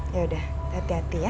ya udah hati hati ya